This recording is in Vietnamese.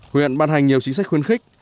huyện ban hành nhiều chính sách khuyến khích